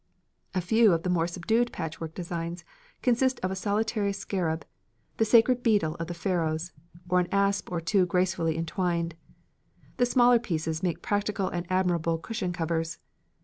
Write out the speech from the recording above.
A few of the more subdued patchwork designs consist of a solitary scarab, the sacred beetle of the Pharaohs, or an asp or two gracefully entwined. The smaller pieces make practical and admirable cushion covers.